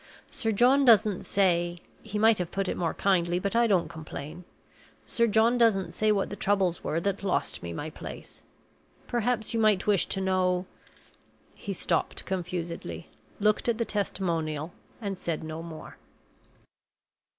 Sir John doesn't say he might have put it more kindly, but I don't complain Sir John doesn't say what the troubles were that lost me my place. Perhaps you might wish to know " He stopped confusedly, looked at the testimonial, and said no more.